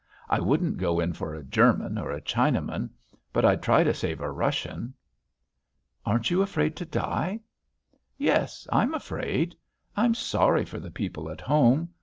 I wouldn't go in for a German or a Chinaman, but I'd try to save a Russian." "Aren't you afraid to die?" "Yes. I'm afraid. I'm sorry for the people at home.